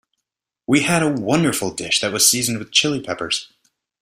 We had a wonderful dish that was seasoned with Chili Peppers.